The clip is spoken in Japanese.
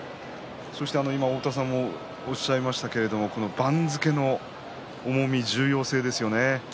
そして今太田さんがおっしゃいましたけど番付の重み、重要性ですよね。